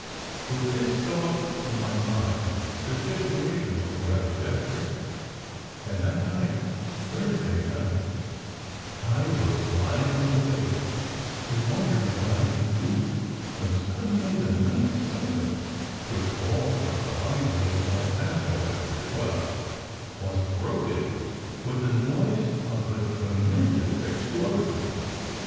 With this thought in my mind, the situation looked rather desperate, and that night Thursday night I was lying awake to wonder what I could do, when suddenly the night silence which falls on lively El Paso after twelve was broken with the noise of a tremendous ex plosion.